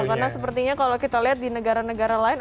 karena sepertinya kalau kita lihat di negara negara lain